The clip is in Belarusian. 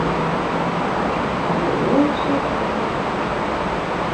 А было ўсё так.